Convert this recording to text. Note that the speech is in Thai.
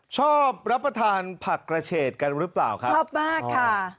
ชอบรับประทานผักกระเฉดกันหรือเปล่าครับชอบมากค่ะ